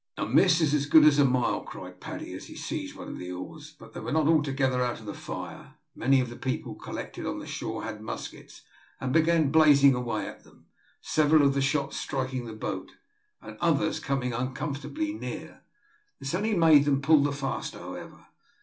"A miss is as good as a mile," cried Paddy, as he seized one of the oars; but they were not altogether out of the fire. Many of the people collected on the shore had muskets, and began blazing away at them, several of the shots striking the boat, and others coming uncomfortably near; this only made them pull the faster however.